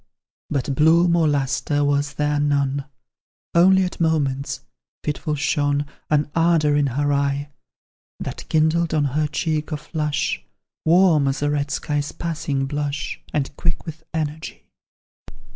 But bloom or lustre was there none, Only at moments, fitful shone An ardour in her eye, That kindled on her cheek a flush, Warm as a red sky's passing blush And quick with energy.